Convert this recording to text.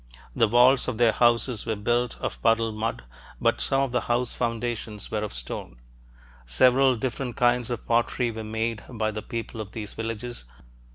The walls of their houses were built of puddled mud, but some of the house foundations were of stone. Several different kinds of pottery were made by the people of these villages.